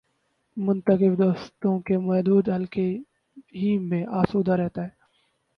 منتخب دوستوں کے محدود حلقے ہی میں آسودہ رہتا ہوں۔